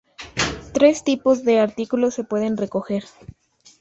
Tres tipos de artículos se pueden recoger.